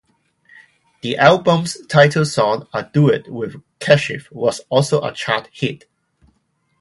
The album's title song, a duet with Kashif, was also a chart hit.